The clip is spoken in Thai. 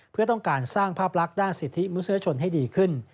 เพื่อต้องการสร้างภาพลักษณ์ด้านสิทธิมนุษยชนให้ดีขึ้น